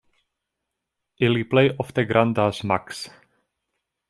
Ili plej ofte grandas maks.